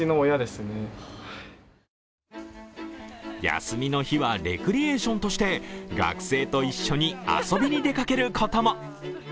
休みの日はレクリエーションとして学生と一緒に遊びに出かけることも。